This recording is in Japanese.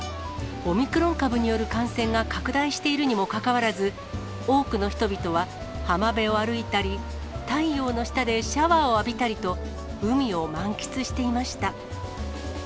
オミクロン株による感染が拡大しているにもかかわらず、多くの人々は浜辺を歩いたり、太陽の下でシャワーを浴びたりと、海を満喫していました。